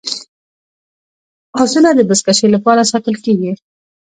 اسونه د بزکشۍ لپاره ساتل کیږي.